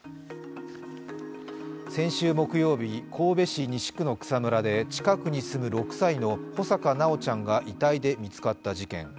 先週木曜日、神戸市西区の草むらで近くに住む６歳の穂坂修ちゃんが遺体で見つかった事件。